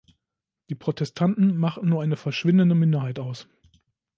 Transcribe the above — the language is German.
Die Protestanten machten nur eine verschwindende Minderheit aus.